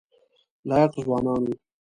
لایق ځوانان وو.